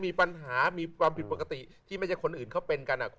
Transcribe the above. มีปัญหามีความผิดปกติที่ไม่ใช่คนอื่นเขาเป็นกัน